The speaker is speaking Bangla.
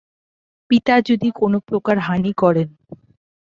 পিতা যদি কোনোপ্রকার হানি করেন।